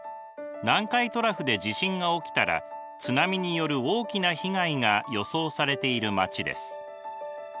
南海トラフで地震が起きたら津波による大きな被害が予想されている町です。